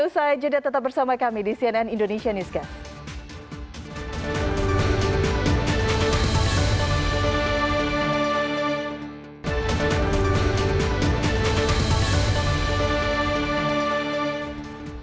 usai jeda tetap bersama kami di cnn indonesia newscast